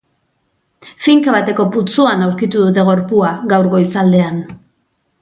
Finka bateko putzuan aurkitu dute gorpua, gaur goizaldean.